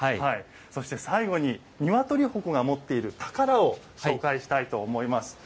そして最後に鶏鉾が持っている宝を紹介したいと思います。